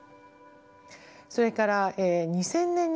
それから２０００年にはですね